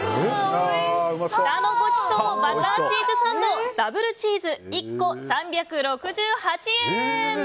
北のごちそうバターチーズサンドダブルチーズ、１個３６８円！